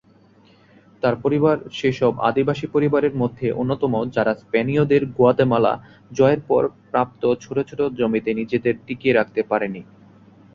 তার পরিবার সেইসব আদিবাসী পরিবারের মধ্যে অন্যতম যারা স্পেনীয়দের গুয়াতেমালা জয়ের পর প্রাপ্ত ছোট ছোট জমিতে নিজেদের টিকিয়ে রাখতে পারেনি।